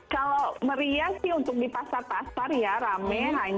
kalau meriah sih untuk di pasar pasar ya rame